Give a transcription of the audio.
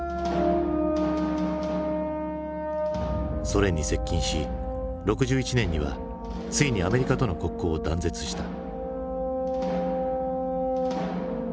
ソ連に接近し６１年にはついにアメリカとの国交を断絶した。